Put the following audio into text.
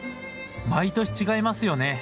毎年違いますよね。